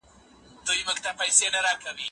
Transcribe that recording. په نړۍ کي د عدل همېشهه برابره کړئ.